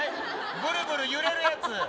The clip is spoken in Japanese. ぶるぶる揺れるやつ。